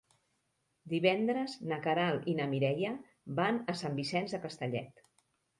Divendres na Queralt i na Mireia van a Sant Vicenç de Castellet.